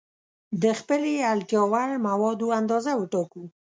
د خپلې اړتیا وړ موادو اندازه وټاکو.